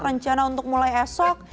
rencana untuk mulai esok